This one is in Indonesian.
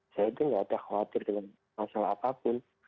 saya itu nggak ada khawatir dengan masalah apapun